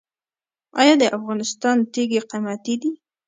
آیا د افغانستان تیږې قیمتي دي؟